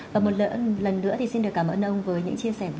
và một lần nữa thì xin được cảm ơn ông với những chia sẻ vừa rồi